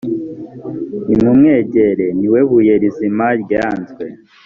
nimumwegere ni we buye rizima ryanzwe